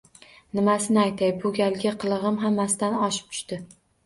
Nimasini aytay, bu galgi qilig‘im hammasidan oshib tushdi